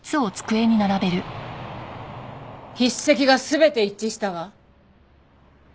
筆跡が全て一致したわ。